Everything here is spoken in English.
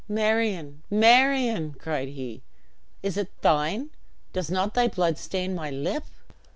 "Marion! Marion!" cried he, "is it thine? Does not thy blood stain my lip?"